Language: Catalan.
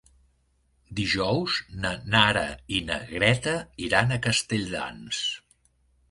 Dijous na Nara i na Greta iran a Castelldans.